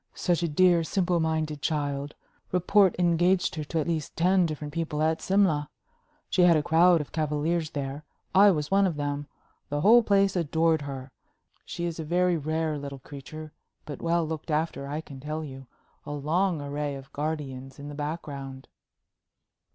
Such a dear, simple minded child! Report engaged her to at least ten different people at Simla. She had a crowd of cavaliers there I was one of them. The whole place adored her. She is a very rare little creature, but well looked after, I can tell you a long array of guardians in the background."